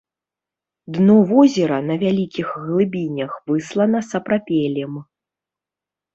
Дно возера на вялікіх глыбінях выслана сапрапелем.